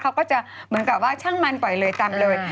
เขาก็จะเหมือนกับว่าช่างมันปล่อยเลยตามเลย